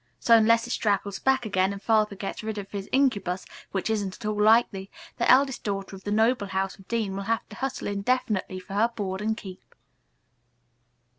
So, unless it straggles back again and Father gets rid of his incubus, which isn't at all likely, the eldest daughter of the noble house of Dean will have to hustle indefinitely for her board and keep.